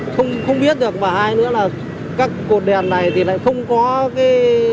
không biết được mà ai nữa là các cột đèn này thì lại không có cái